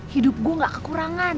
hidup gue gak kekurangan